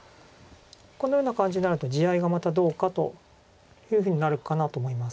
このような感じになると地合いがまたどうかというふうになるかなと思います。